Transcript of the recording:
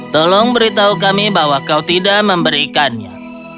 tolong beritahu kami bahwa kau tidak memberikannya